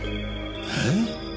えっ？